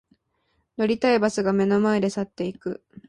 乗りたいバスが目の前で去っていく